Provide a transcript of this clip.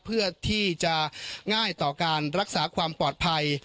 เพื่อที่จะง่ายต่อการรักษาความปลอดภัย